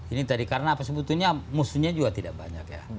ini tadi karena apa sebetulnya musuhnya juga tidak banyak ya